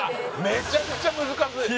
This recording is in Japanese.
めちゃくちゃ難しい！